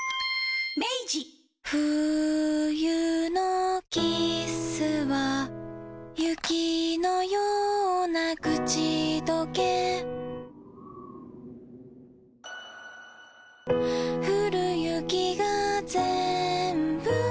冬のキッスは雪のようなくちどけふる雪がぜんぶ